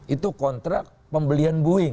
itu kontrak pembelian boeing